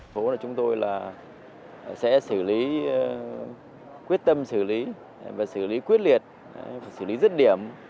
phố này chúng tôi sẽ quyết tâm xử lý và xử lý quyết liệt xử lý rất điểm